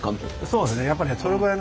そうですね。